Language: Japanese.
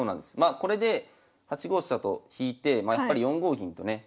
これで８五飛車と引いてやっぱり４五銀とね。